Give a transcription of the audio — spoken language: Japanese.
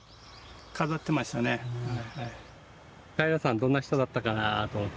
どんな人だったかなぁと思って。